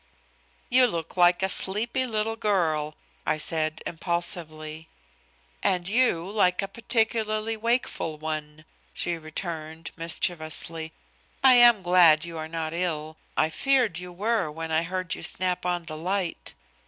"You look like a sleepy little girl," I said impulsively. "And you like a particularly wakeful one," she returned, mischievously. "I am glad you are not ill. I feared you were when I heard you snap on the light."